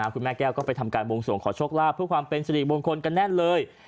คุณแม่แก้วก็ไปทำการวงสวงขอโชคลาภเพื่อความเป็นสิริมงคลกันแน่นเลย